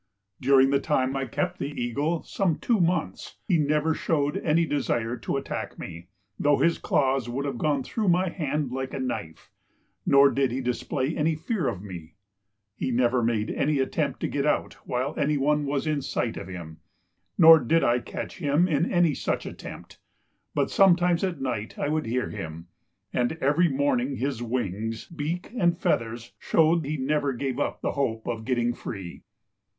During the time I kept the eagle, some two months, he never showed any desire to attack me, though his claws would have gone through my hand like a knife, nor did he display any fear of me. He never made any attempt to get out while anyone was in sight of him, nor did I catch him in any such attempt, but sometimes at night I would hear him, and every morning his wings, beak and feathers showed he never gave up the hope of getting free.